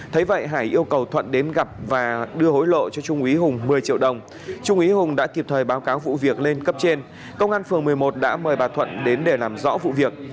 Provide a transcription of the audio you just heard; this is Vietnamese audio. thấy vậy hải yêu cầu thuận đến gặp và đưa hối lộ cho trung ý hùng một mươi triệu đồng trung ý hùng đã kịp thời báo cáo vụ việc lên cấp trên công an phường một mươi một đã mời bà thuận đến để làm rõ vụ việc